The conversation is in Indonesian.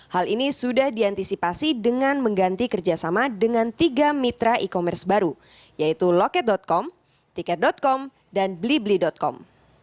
hal ini sudah diantisipasi dengan mengganti kerjasama dengan tiga mitra e commerce baru yaitu loket com tiket com dan blibli com